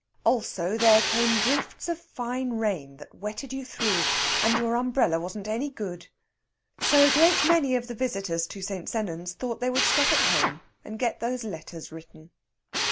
Also there came drifts of fine rain that wetted you through, and your umbrella wasn't any good. So a great many of the visitors to St. Sennans thought they would stop at home and get those letters written.